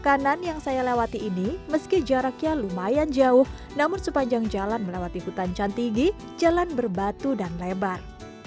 kanan yang saya lewati ini meski jaraknya lumayan jauh namun sepanjang jalan melewati hutan cantigi jalan berbatu dan lebar